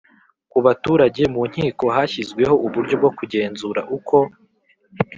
ku baturage Mu nkiko hashyizweho uburyo bwo kugenzura uko